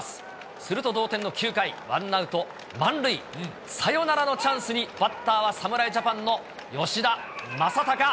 すると同点の９回、ワンアウト満塁、サヨナラのチャンスに、バッターは侍ジャパンの吉田正尚。